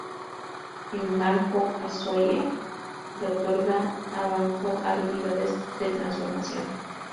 En "Banjo-Kazooie", le otorga a Banjo habilidades de transformación.